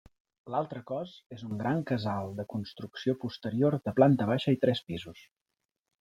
L'altre cos és un gran casal de construcció posterior de planta baixa i tres pisos.